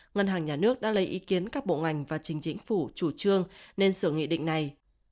ngân hàng nhà nước đã lấy ý kiến các bộ ngành và trình chính phủ chủ trương nên sửa nghị định này